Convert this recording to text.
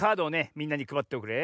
みんなにくばっておくれ。